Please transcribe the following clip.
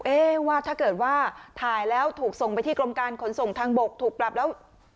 ว่าถ้าเกิดว่าถ่ายแล้วถูกส่งไปที่กรมการขนส่งทางบกถูกปรับแล้ว